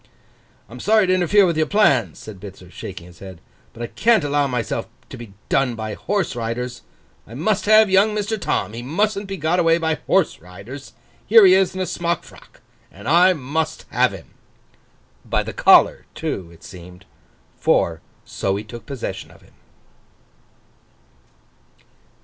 'I'm sorry to interfere with your plans,' said Bitzer, shaking his head, 'but I can't allow myself to be done by horse riders. I must have young Mr. Tom; he mustn't be got away by horse riders; here he is in a smock frock, and I must have him!' By the collar, too, it seemed. For, so he took possession of him.